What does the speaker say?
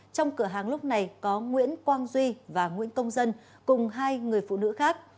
trong cửa hàng lúc này có nguyễn quang duy và nguyễn công dân cùng hai người phụ nữ khác